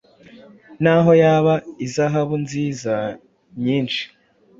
naho yaba izahabu nziza nyinshi